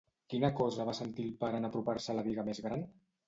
Quina cosa va sentir el pare en apropar-se a la biga més gran?